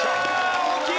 大きい！